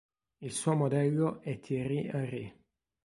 Il suo modello è Thierry Henry.